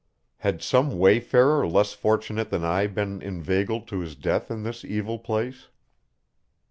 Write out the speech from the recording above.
Had some wayfarer less fortunate than I been inveigled to his death in this evil place?